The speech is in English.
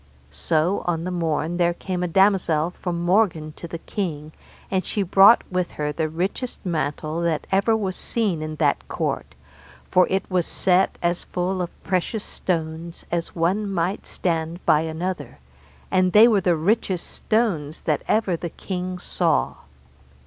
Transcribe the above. So on the morn there came a damosel from Morgan to the king, and she brought with her the richest mantle that ever was seen in that court, for it was set as full of precious stones as one might stand by another, and there were the richest stones that ever the king saw.